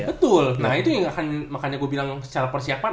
betul nah itu yang akan makanya gue bilang secara persiapan